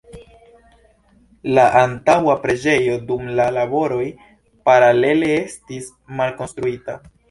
La antaŭa preĝejo dum la laboroj paralele estis malkonstruita.